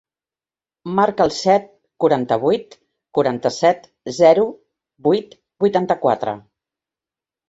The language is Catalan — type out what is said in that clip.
Marca el set, quaranta-vuit, quaranta-set, zero, vuit, vuitanta-quatre.